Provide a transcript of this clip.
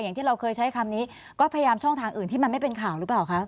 อย่างที่เราเคยใช้คำนี้ก็พยายามช่องทางอื่นที่มันไม่เป็นข่าวหรือเปล่าคะ